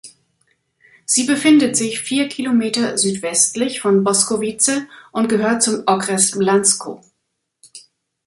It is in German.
Sie befindet sich vier Kilometer südwestlich von Boskovice und gehört zum Okres Blansko.